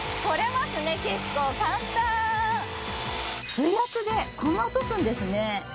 水圧でこんな落とすんですね。